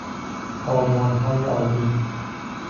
آرمانهای عالی